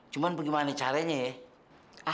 cuma bagaimana caranya ya